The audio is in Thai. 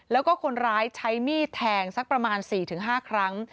แล้วก็คนร้ายใช้มีดแทงสักประมาณ๔๕ครั้ง